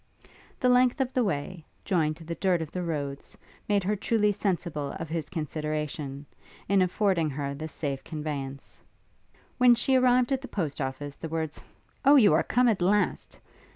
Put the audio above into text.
The length of the way, joined to the dirt of the roads, made her truly sensible of his consideration, in affording her this safe conveyance. When she arrived at the Post office, the words, 'Oh, you are come at last!'